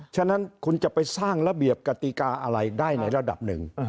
ฉะนั้นคุณจะไปสร้างระเบียบกติกาอะไรได้ในระดับหนึ่ง